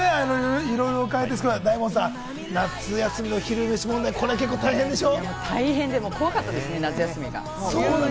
いろいろ伺いますけれど、大門さん、夏休みの昼メシ問題、結構大変でしょ？